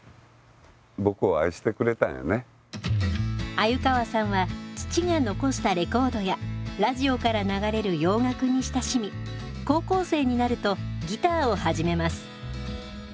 鮎川さんは父が残したレコードやラジオから流れる洋楽に親しみ高校生になるとギターを始めます。